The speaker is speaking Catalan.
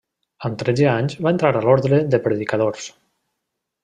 Amb tretze anys va entrar a l'Orde de Predicadors.